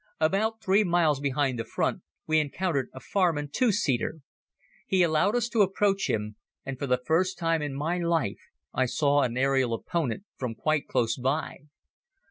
About three miles behind the front we encountered a Farman Two seater. He allowed us to approach him and for the first time in my life I saw an aerial opponent from quite close by.